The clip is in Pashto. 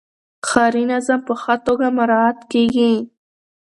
ښاري نظم په ښه توګه مراعات کیږي.